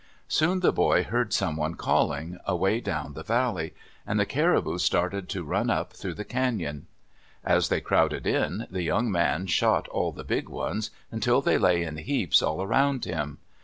Soon the boy heard someone calling, away down the valley, and the caribou started to run up through the cañon. As they crowded in, the young man shot all the big ones, until they lay in heaps all around him.